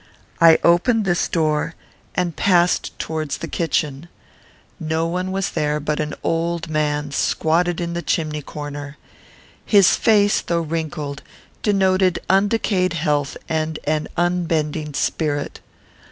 I opened this door, and passed towards the kitchen. No one was there but an old man, squatted in the chimney corner. His face, though wrinkled, denoted undecayed health and an unbending spirit.